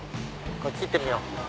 こっち行ってみよう。